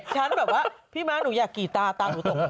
แบบว่าพี่ม้าหนูอยากกี่ตาตาหนูตก